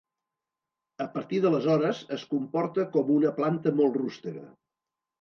A partir d'aleshores es comporta com una planta molt rústega.